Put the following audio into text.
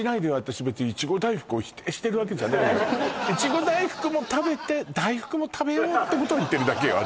私別にいちご大福を否定してるわけじゃないのよいちご大福も食べて大福も食べようってことを言ってるだけよ